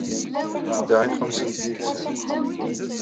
Anda ay txemmsemt yid-sent?